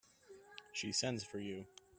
She sends for you.